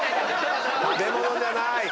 食べ物じゃなーい。